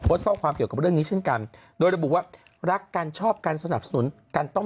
ข้อความเกี่ยวกับเรื่องนี้เช่นกันโดยระบุว่ารักกันชอบกันสนับสนุนกันต้อง